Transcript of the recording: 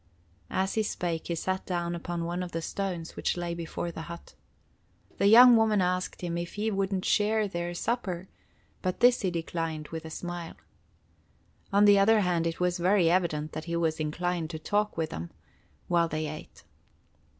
As he spake he sat down upon one of the stones which lay before the hut. The young woman asked him if he wouldn't share their supper, but this he declined with a smile. On the other hand it was very evident that he was inclined to talk with them, while they ate.